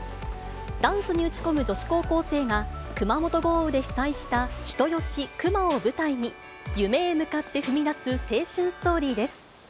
ダンスに打ち込む女子高校生が、熊本豪雨で被災した人吉・球磨を舞台に、夢へ向かって踏み出す青春ストーリーです。